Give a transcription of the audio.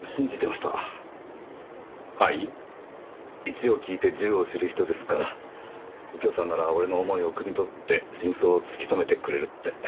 一を聞いて十を知る人ですから右京さんなら俺の思いをくみ取って真相を突き止めてくれるって。